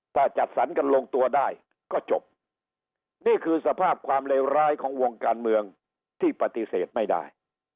ถ้าจัดสรรกันลงตัวได้ก็จบนี่คือสภาพความเลวร้ายของวงการเมืองที่ปฏิเสธไม่ได้